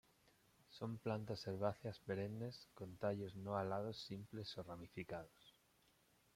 Son plantas herbáceas perennes con tallos no alados simples o ramificados.